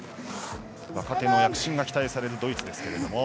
若手の躍進が期待されるドイツです。